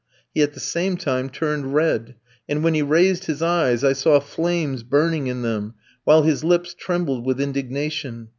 He at the same time turned red, and when he raised his eyes, I saw flames burning in them, while his lips trembled with indignation.